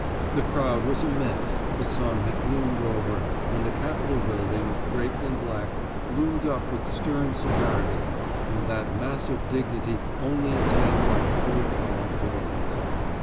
The crowd was immense, the sun had gloomed over, and the Capitol building, draped in black, loomed up with stern severity and that massive dignity only attained by heavily columned buildings.